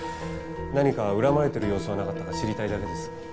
何か恨まれてる様子はなかったか知りたいだけです。